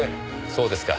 そうですか。